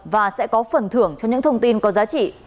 và sẽ có phần thưởng cho những thông tin có giá trị